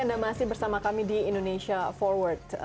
terima kasih anda masih bersama kami di indonesia forward